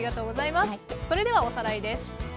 それではおさらいです。